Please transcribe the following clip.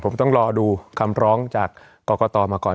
ผมต้องรอดูคำร้องจากกรกตมาก่อน